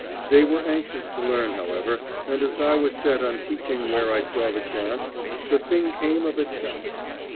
They were anxious to learn, however, and as I was set on teaching where I saw the chance, the thing came of itself.